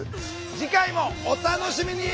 次回もお楽しみに！